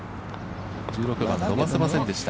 １６番、伸ばせませんでした。